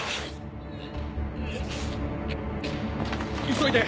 急いで！